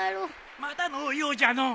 まだのようじゃのう。